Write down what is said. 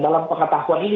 dalam pengetahuan ini